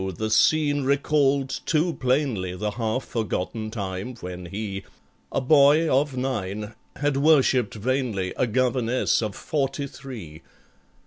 the scene recalled too plainly The half forgotten time when he, A boy of nine, had worshipped vainly A governess of forty three!